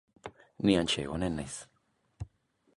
Ni hantxe egonen naiz.